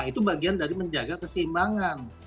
itu bagian dari menjaga keseimbangan